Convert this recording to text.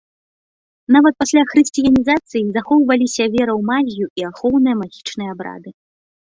Нават пасля хрысціянізацыі захоўваліся вера ў магію і ахоўныя магічныя абрады.